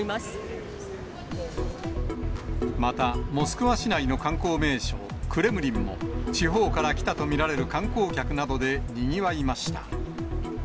また、モスクワ市内の観光名所、クレムリンも、地方から来たと見られる観光客などでにぎわいました。